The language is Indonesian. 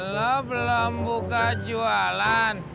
lo belum buka jualan